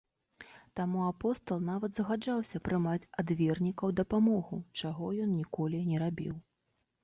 Таму апостал нават згаджаўся прымаць ад вернікаў дапамогу, чаго ён ніколі не рабіў.